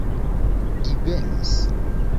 divenis